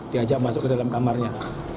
diajak masuk ke dalam kamarnya